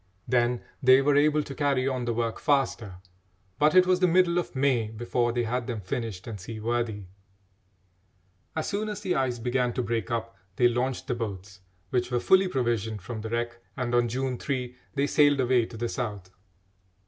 Then they were able to carry on the work faster; but it was the middle of May before they had them finished and seaworthy. As soon as the ice began to break up, they launched the boats, which were fully provisioned from the wreck, and on June 3 they sailed away to the South.